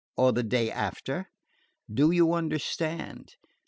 or the day after? Do you understand?